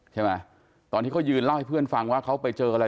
ตอนที่เขายืนเล่าให้เพื่อนฟังว่าเขาไปเจออะไร